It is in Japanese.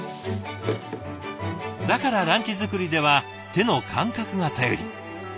だからランチ作りでは手の感覚が頼り。